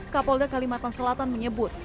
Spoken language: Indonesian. kapolda kalimantan selatan menyebut